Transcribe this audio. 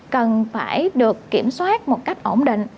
cần phải được kiểm soát một cách ổn định